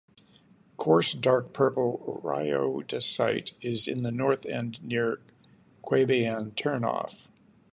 Coarse dark purple rhyodacite is in the north end near Queanbeyan turn off.